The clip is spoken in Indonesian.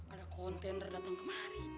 ada kontender datang kemari